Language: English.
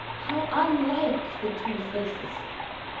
How unlike the two faces!